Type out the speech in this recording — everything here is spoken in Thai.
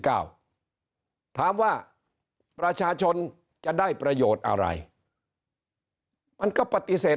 ถามว่าประชาชนจะได้ประโยชน์อะไรมันก็ปฏิเสธ